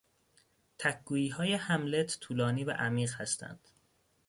تک گوییهای هملت طولانی و عمیق هستند.